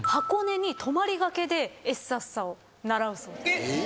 えっ！